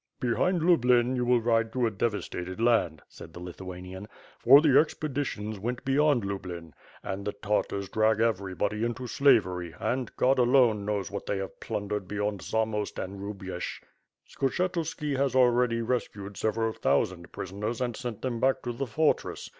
"Behind Lublin you will ride through a devastated land," said the Lithuanian; "for the expeditions went beyond Lublin, and the Tartars drag everybody into slavery and God, alone knows what they have plundered beyond Zamost and Hrubiesh. Skshetuski has already rescued several thousand prisoners and sent them back to the fortress.